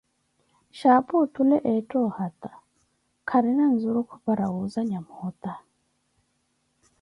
shapu otule ettha ohata, kaarina nzurukhu para wuuzanha moota.